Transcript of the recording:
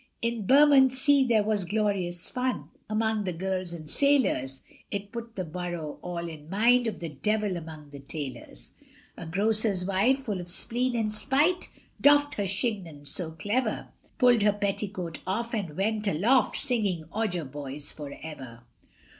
In Bermondsey there was glorious fun Among the girls and sailors, It put the Borough all in mind Of the devil among the tailors. A grocer's wife, full of spleen and spite, Doffed her chignon so clever, Pulled her petticoat off and went aloft, Singing, Odger, boys, for ever.